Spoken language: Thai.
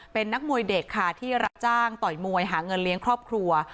เป็นนักมวยเด็กค่ะที่รับจ้างต่อยมวยหาเงินเลี้ยงครอบครัว